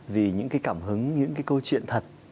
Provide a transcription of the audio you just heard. vì những cái cảm hứng những cái câu chuyện thật